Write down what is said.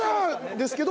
ですけど。